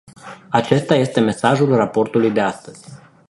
Acesta este mesajul raportului de astăzi.